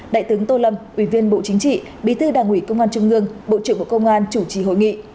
đại tướng tô lâm ủy viên bộ chính trị bí thư đảng ủy công an trung ương bộ trưởng bộ công an chủ trì hội nghị